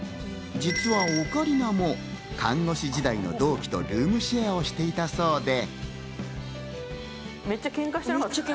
実はオカリナも看護師時代の同期とルームシェアをしていたそうで。